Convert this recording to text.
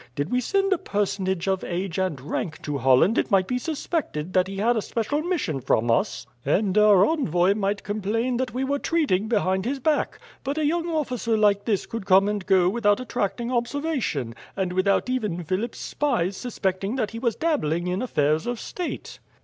Did we send a personage of age and rank to Holland it might be suspected that he had a special mission from us, and our envoy might complain that we were treating behind his back; but a young officer like this could come and go without attracting observation, and without even Philip's spies suspecting that he was dabbling in affairs of state."